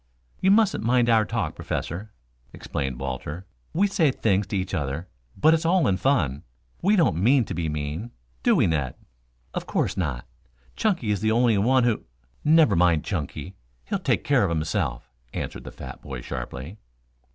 "You mustn't mind our talk, Professor," explained Walter. "We say things to each other, but it's all in fun. We don't mean to be mean. Do we, Ned?" "Of course not. Chunky is the only one who " "Never mind Chunky. He'll take care of himself," answered the fat boy sharply.